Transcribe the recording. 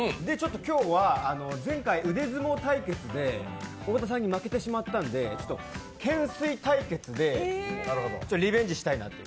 今日は前回、腕相撲対決で太田さんに負けてしまったので懸垂対決でリベンジしたいなと。